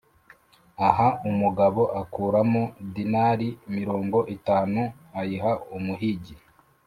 aha, umugabo akuramo dinari mirongo itanu ayiha umuhigi.